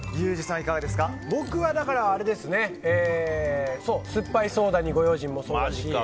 僕はすっぱいソーダにご用心もそうだし